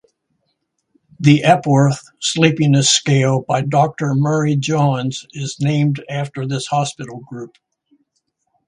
The Epworth Sleepiness Scale by Doctor Murray Johns is named after this hospital group.